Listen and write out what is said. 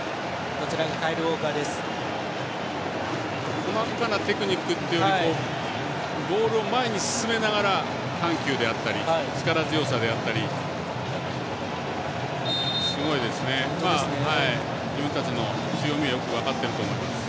細かなテクニックというよりボールを前に進めながら緩急であったり力強さであったりすごいですね、自分たちの強みをよく分かっていると思います。